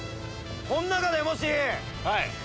この中でもし。